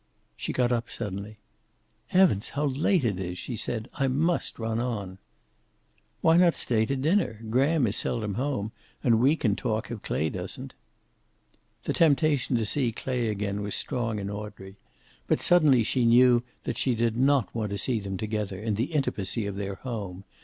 She got up suddenly. "Heavens, how late it is!" she said. "I must run on." "Why not stay on to dinner? Graham is seldom home, and we can talk, if Clay doesn't." The temptation to see Clay again was strong in Audrey. But suddenly she knew that she did not want to see them together, in the intimacy of their home.